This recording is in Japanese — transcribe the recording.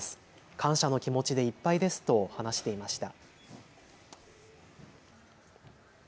感謝の気持ちでいっぱいですと話していました。